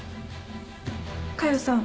佳代さん